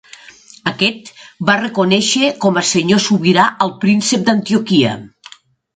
Aquest va reconèixer com a senyor sobirà al príncep d'Antioquia.